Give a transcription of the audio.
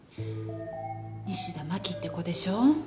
西田真紀って子でしょ？